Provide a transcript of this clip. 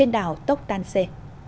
đảo tóc tan xê